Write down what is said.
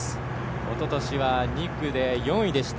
おととしは２区で４位でした。